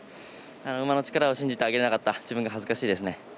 馬の力を信じてあげられなかった自分が恥ずかしいです。